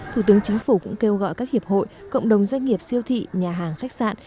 thủ tướng chính phủ cũng kêu gọi các hiệp hội cộng đồng doanh nghiệp siêu thị nhà hàng khách sạn